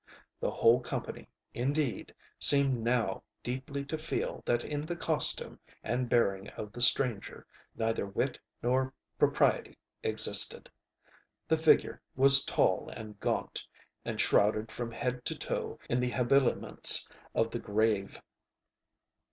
The whole company, indeed, seemed now deeply to feel that in the costume and bearing of the stranger neither wit nor propriety existed. The figure was tall and gaunt, and shrouded from head to foot in the habiliments of the grave.